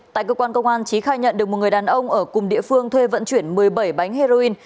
tại cơ quan công an trí khai nhận được một người đàn ông ở cùng địa phương thuê vận chuyển một mươi bảy bánh heroin